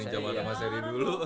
sama seri dulu